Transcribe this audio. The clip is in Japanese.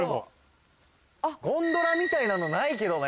ゴンドラみたいなのないけどね。